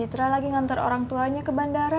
setelah lagi ngantar orang tuanya ke bandara